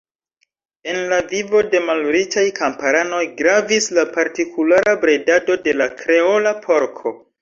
En la vivo de malriĉaj kamparanoj gravis la partikulara bredado de la Kreola porko.